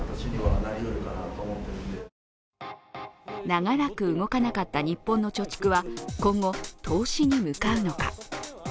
長らく動かなかった日本の貯蓄は今後、投資に向かうのか。